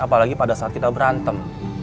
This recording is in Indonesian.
apalagi pada saat kita berantem